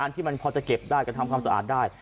ที่มันพอจะเก็บได้ก็ทำความสะอาดได้